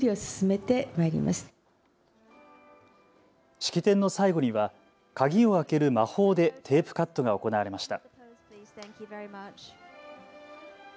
式典の最後には鍵を開ける魔法でテープカットが行われました。